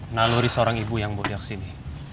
naluri seorang ibu yang membiak sini